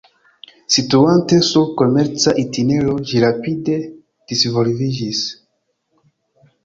Situante sur komerca itinero ĝi rapide disvolviĝis.